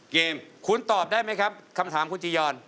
เกมคุณตอบได้ไหมครับคำถามคุณจียอน